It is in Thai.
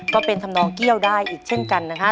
ก็เป็นทำนองเกี้ยวได้อีกเช่นกันนะฮะ